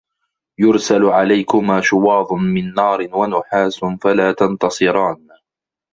يُرسَلُ عَلَيكُما شُواظٌ مِن نارٍ وَنُحاسٌ فَلا تَنتَصِرانِ